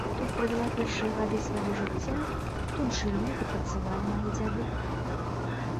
Тут правяла першыя гады свайго жыцця, тут жылі і працавалі мае дзяды.